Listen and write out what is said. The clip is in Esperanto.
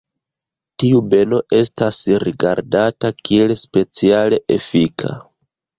Tiu beno estas rigardata kiel speciale efika.